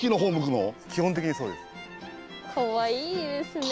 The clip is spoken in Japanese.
かわいいですね。